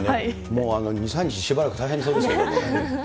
もう２、３日、しばらく大変そうですけどね。